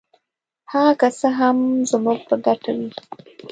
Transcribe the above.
هغه که څه هم زموږ په ګټه وي.